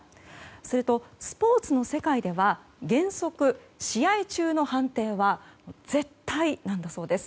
すると、スポーツの世界では原則試合中の判定は絶対なんだそうです。